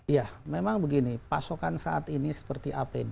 ya memang begini pasokan saat ini seperti apd